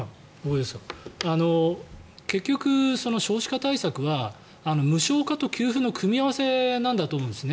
結局、少子化対策は無償化と給付の組み合わせなんだと思うんです。